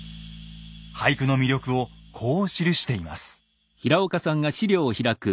俳句の魅力をこう記しています。